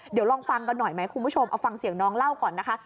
เดี๋ยวลองฟังกันหน่อยไหมคุณผู้ชมเอาฟังเสียงน้องเล่าก่อนนะคะ